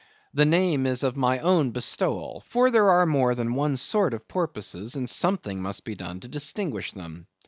The name is of my own bestowal; for there are more than one sort of porpoises, and something must be done to distinguish them.